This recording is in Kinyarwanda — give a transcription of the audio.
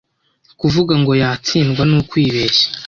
kuvuga ngo yatsindwa ni ukwibeshya